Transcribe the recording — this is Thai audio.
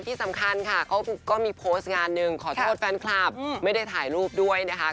ที่สำคัญค่ะเขาก็มีโพสต์งานหนึ่งขอโทษแฟนคลับไม่ได้ถ่ายรูปด้วยนะคะ